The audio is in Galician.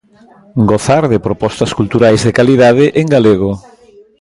Gozar de propostas culturais de calidade en galego.